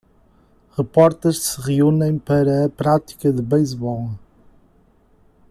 Repórteres se reúnem para a prática de beisebol.